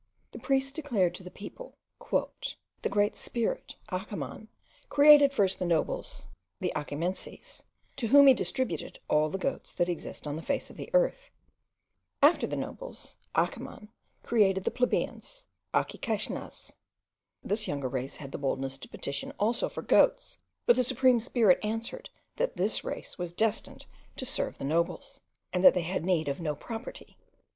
The priests declared to the people: "The great Spirit, Achaman, created first the nobles, the achimenceys, to whom he distributed all the goats that exist on the face of the earth. After the nobles, Achaman created the plebeians, achicaxnas. This younger race had the boldness to petition also for goats; but the supreme Spirit answered, that this race was destined to serve the nobles, and that they had need of no property."